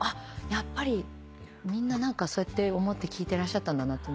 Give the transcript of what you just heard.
やっぱりみんなそうやって思って聴いてらっしゃったんだな。